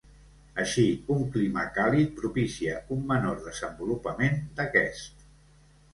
Així un clima càlid propicia un menor desenvolupament d'aquest.